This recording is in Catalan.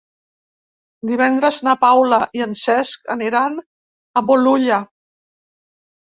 Divendres na Paula i en Cesc aniran a Bolulla.